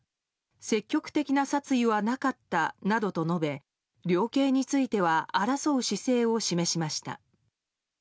積極的な殺意はなかったなどと述べ量刑については争う姿勢を示しました。